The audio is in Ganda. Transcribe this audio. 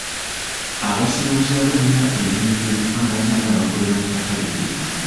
Abasuubuzi abalina ebintu ebifaanagana bakolera mu katale ke kamu.